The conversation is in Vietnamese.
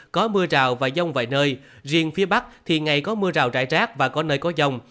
có mưa rào và dông vài nơi riêng phía bắc thì ngày có mưa rào rải rác và có nơi có dông